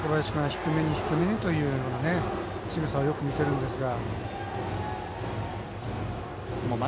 低めに低めにというしぐさをよく見せるんですが。